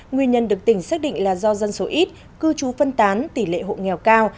nguyên nhân được tỉnh xác định là do dân số ít cư trú phân tán tỷ lệ hộ nghèo cao